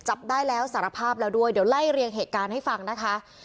จับได้แล้วสารภาพแล้วด้วยเดี๋ยวไล่เรียงเหตุการณ์ให้ฟังนะคะ